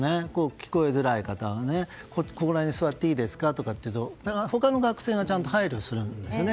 聞こえづらい方はここら辺に座っていいですかと言うと他の学生がちゃんと配慮するんですよね。